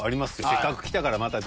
せっかく来たから。